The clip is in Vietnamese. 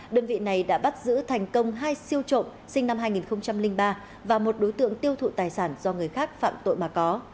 đơn vị này đã bắt giữ thành công hai siêu trộm sinh năm hai nghìn ba và một đối tượng tiêu thụ tài sản do người khác phạm tội mà có